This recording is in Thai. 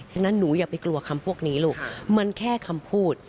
ดังนั้นหนูอย่าไปกลัวคำพวกนี้ลูกมันแค่คำพูด